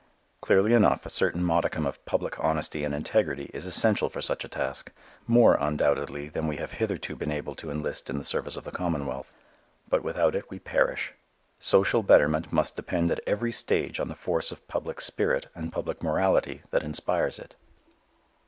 Clearly enough a certain modicum of public honesty and integrity is essential for such a task; more, undoubtedly, than we have hitherto been able to enlist in the service of the commonwealth. But without it we perish. Social betterment must depend at every stage on the force of public spirit and public morality that inspires it.